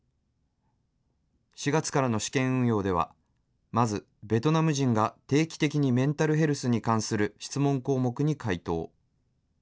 ４月からの試験運用では、まず、ベトナム人が定期的にメンタルヘルスに関する質問項目に回答。